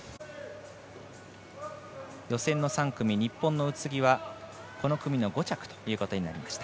予選の３組、日本の宇津木はこの組の５着ということになりました。